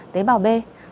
tế bào b